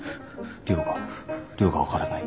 量が量が分からない。